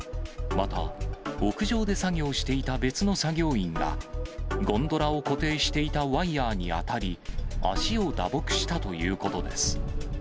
また、屋上で作業していた別の作業員がゴンドラを固定していたワイヤーに当たり、足を打撲したということです。